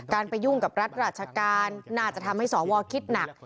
ไปยุ่งกับรัฐราชการน่าจะทำให้สวคิดหนัก